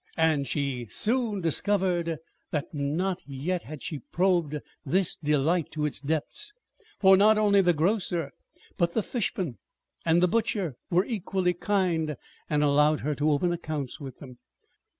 And she soon discovered that not yet had she probed this delight to its depths, for not only the grocer, but the fishman and the butcher were equally kind, and allowed her to open accounts with them.